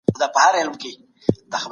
له خوړو پوره اړتیا پوره کېدل ګران دي.